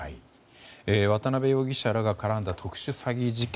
渡邉容疑者らが絡んだ特殊詐欺事件。